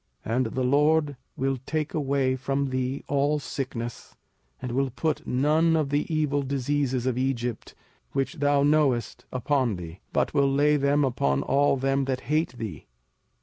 05:007:015 And the LORD will take away from thee all sickness, and will put none of the evil diseases of Egypt, which thou knowest, upon thee; but will lay them upon all them that hate thee.